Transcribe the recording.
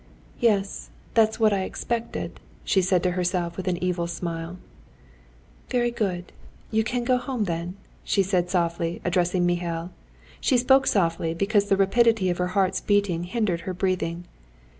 "Yes, that's what I expected!" she said to herself with an evil smile. "Very good, you can go home then," she said softly, addressing Mihail. She spoke softly because the rapidity of her heart's beating hindered her breathing.